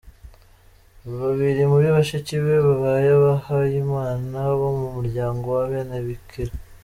Babiri muri bashiki be babaye abihayimana bo mu muryango w’Abenebikira.